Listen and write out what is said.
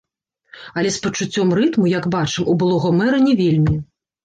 Але з пачуццём рытму, як бачым, у былога мэра не вельмі.